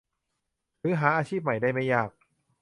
หรือหาอาชีพใหม่ได้ไม่ยาก